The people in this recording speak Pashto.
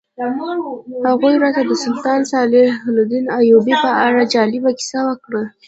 هغوی راته د سلطان صلاح الدین ایوبي په اړه جالبه کیسه وکړه.